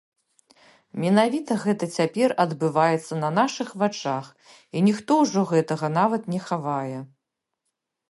Менавіта гэта цяпер адбываецца на нашых вачах і ніхто ўжо гэтага нават не хавае.